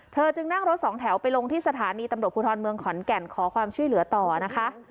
เธอจึงนั่งรถสองแถวไปลงที่สถานีตำรวจภูทรเมืองขอนแก่นขอความช่วยเหลือต่อนะคะ